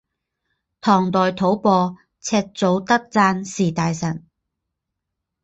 唐代吐蕃赤祖德赞时大臣。